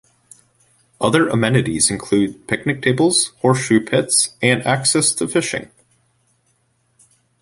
Other amenities include picnic tables, horseshoe pits, and access to fishing.